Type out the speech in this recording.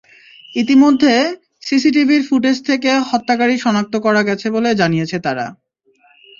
ইতিমধ্যে সিসিটিভির ফুটেজ থেকে হত্যাকারীকে শনাক্ত করা গেছে বলে জানিয়েছে তারা।